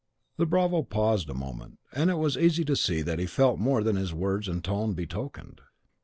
The bravo paused a moment, and it was easy to see that he felt more than his words and tone betokened.